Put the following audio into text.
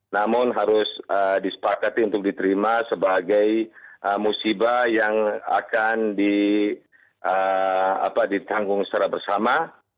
namun harus disepakati untuk diterima sebagai musibah yang akan ditanggung secara bersama